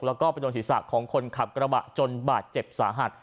แล้วก็ไปโดนศีรษะของคนขับกระบะจนบาดเจ็บสาหัส